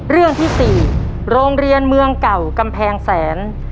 เรื่องที่๔โรงเรียนเมืองเก่ากำแพงแสน